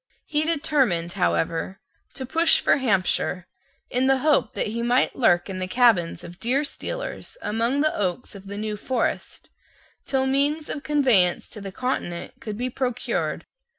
He determined, however, to push for Hampshire, in the hope that he might lurk in the cabins of deerstealers among the oaks of the New Forest, till means of conveyance to the Continent could be procured.